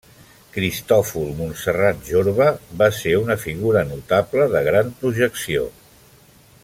Cristòfol Montserrat Jorba va ser una figura notable de gran projecció.